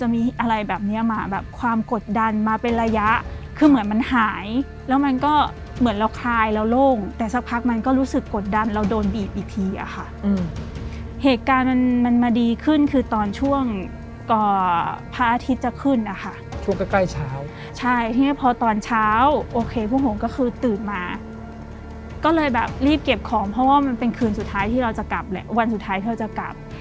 มาแบบความกดดันมาเป็นระยะคือเหมือนมันหายแล้วมันก็เหมือนเราคลายแล้วโล่งแต่สักพักมันก็รู้สึกกดดันเราโดนบีบอีกทีอะค่ะเหตุการณ์มันมาดีขึ้นคือตอนช่วงก่อพระอาทิตย์จะขึ้นอะค่ะช่วงใกล้เช้าใช่ที่นี่พอตอนเช้าโอเคพวกผมก็คือตื่นมาก็เลยแบบรีบเก็บของเพราะว่ามันเป็นคืนสุดท้ายที่เรา